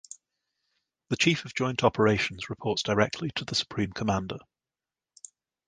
The Chief of Joint Operations reports directly to the Supreme Commander.